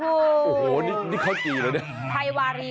โอ้โหนี่ข้าวจีหรอเนี่ย